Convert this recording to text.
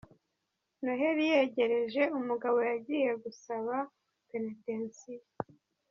Noheli yegereje , umugabo yagiye gusaba Penetensiya.